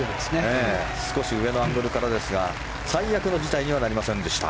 少し上のアングルからですが最悪の事態にはなりませんでした。